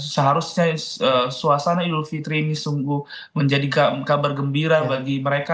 seharusnya suasana idul fitri ini sungguh menjadi kabar gembira bagi mereka